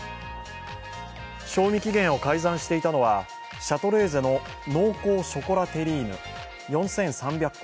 賞味期限を改ざんしていたのはシャトレーゼの濃厚ショコラテリーヌ４３００個